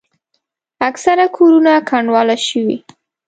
اکثره کورونه کنډواله شوي.